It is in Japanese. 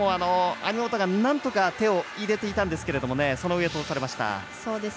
網本がなんとか手を入れていたんですがその上を通されました。